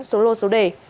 số lô số đề